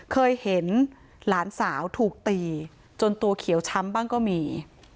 เคยเห็นหลานสาวถูกตีจนตัวเขียวช้ำบ้างก็มี